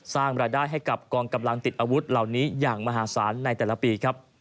สร้างรายได้ให้กับกองกำลังติดอาวุธเหล่านี้อย่างมหาศาลในแต่ละปีครับ